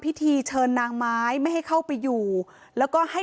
เป็นสมโพเวสีหรือว่าอะไร